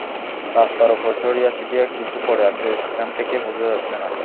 রাস্তার ওপর ছড়িয়ে-ছিটিয়ে কিছু পড়ে আছে, এখান থেকে বোঝা যাচ্ছে না।